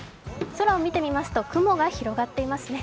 空を見てみますと雲が広がっていますね。